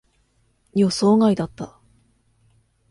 予想外だった。